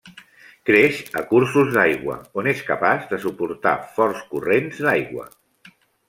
Creix a cursos d'aigua, on és capaç de suportar forts corrents d'aigua.